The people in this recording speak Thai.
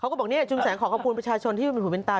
เขาก็บอกว่าชุมแสงของกระพูลประชาชนที่เป็นผู้เป็นตา